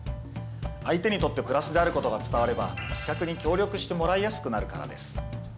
相手にとってプラスであることが伝われば企画に協力してもらいやすくなるからです。